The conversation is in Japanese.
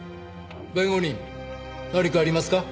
弁護人何かありますか？